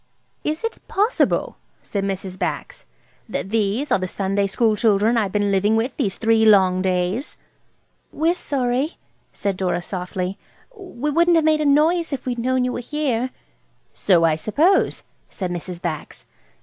"Is it possible," said Mrs. Bax, "that these are the Sunday school children I've been living with these three long days?" "We're sorry," said Dora, softly; "we wouldn't have made a noise if we'd known you were here." "So I suppose," said Mrs. Bax.